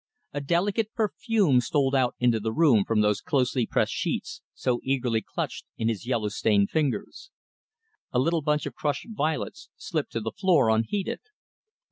A delicate perfume stole out into the room from those closely pressed sheets, so eagerly clutched in his yellow stained fingers. A little bunch of crushed violets slipped to the floor unheeded.